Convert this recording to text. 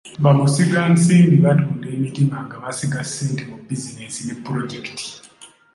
Bamusigansimbi batunda emitima nga basiga ssente mu bizinensi ne pulojekiti.